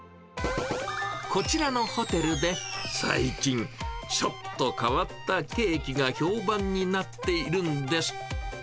こちらのホテルで、最近、ちょっと変わったケーキが評判になっているんです。